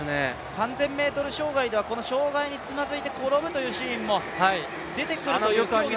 ３０００ｍ障害では、この障害につまずいて転ぶというシーンも出てきます。